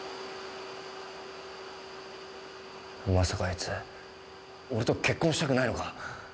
まさかアイツ俺と結婚したくないのか？